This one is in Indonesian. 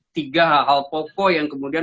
tiga hal hal pokok yang kemudian